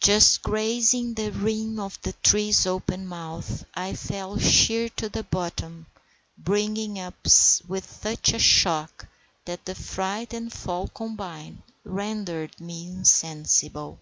Just grazing the rim of the tree's open mouth, I fell sheer to the bottom, bringing up with such a shock that the fright and fall combined rendered me insensible.